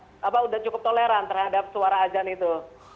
eh apa udah cukup toleran terhadap suara azan itu